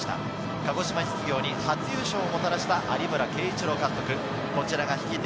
鹿児島実業に初優勝をもたらした有村圭一郎監督。